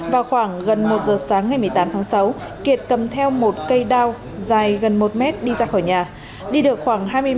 vào khoảng gần một giờ sáng ngày một mươi tám tháng sáu kiệt cầm theo một cây đao dài gần một mét đi ra khỏi nhà